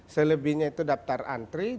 selebihnya itu dapetan dari perpustakaan